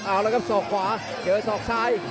เอาละครับศอกขวาเจอศอกซ้าย